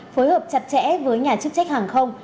phối hợp chặt chẽ với nhà chức trách hàng không